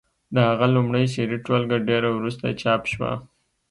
د هغه لومړۍ شعري ټولګه ډېره وروسته چاپ شوه